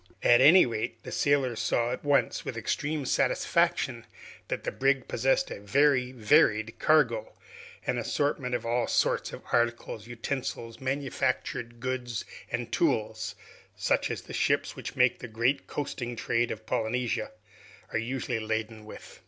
At any rate, the settlers saw at once, with extreme satisfaction, that the brig possessed a very varied cargo an assortment of all sorts of articles, utensils, manufactured goods, and tools such as the ships which make the great coasting trade of Polynesia are usually laden with.